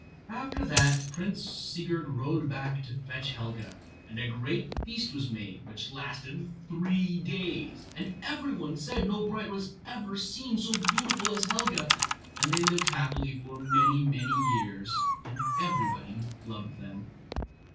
After that Prince Sigurd rode back to fetch Helga, and a great feast was made which lasted three days; and every one said no bride was ever seen so beautiful as Helga, and they lived happily for many, many years, and everybody loved them.